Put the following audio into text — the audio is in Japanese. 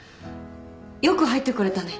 よく入ってこれたね。